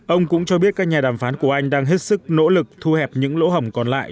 ông cũng cho biết các nhà đàm phán của anh đang hết sức nỗ lực thu hẹp những lỗ hỏng còn lại